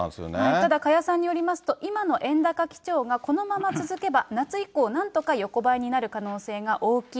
ただ、加谷さんによりますと、今の円高基調がこのまま続けば、夏以降、なんとか横ばいになる可能性が大きい。